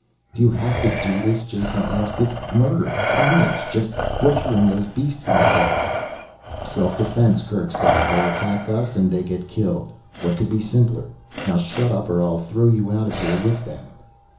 "Do you have to do this?" Jason asked. "It's murder carnage, just butchering those beasts like that." "Self defense," Kerk said. "They attack us and they get killed. What could be simpler? Now shut up, or I'll throw you out there with them."